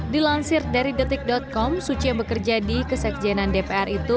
dilansir dari detik com suci yang bekerja di kesekjenan dpr itu